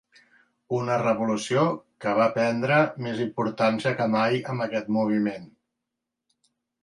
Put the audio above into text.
Una revolució que va prendre més importància que mai amb aquest moviment.